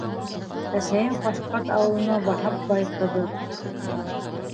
Әсәйең Ҡашҡат ауылының Ваһап бай ҡыҙы.